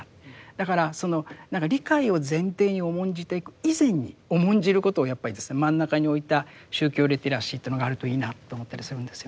だから何か理解を前提に重んじていく以前に重んじることをやっぱりですね真ん中に置いた宗教リテラシーというのがあるといいなと思ったりするんですよね。